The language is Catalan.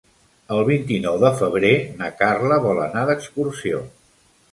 El vint-i-nou de febrer na Carla vol anar d'excursió.